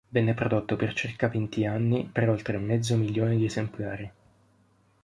Venne prodotto per circa venti anni per oltre mezzo milione di esemplari.